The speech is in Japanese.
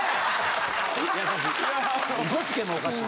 「嘘つけ！」もおかしい。